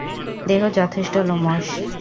দেহ যথেষ্ট লোমশ।